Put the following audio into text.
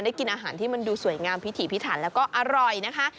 กินอาหารที่มันดูสวยงามพิถีพิถันแล้วก็อร่อยนะคะ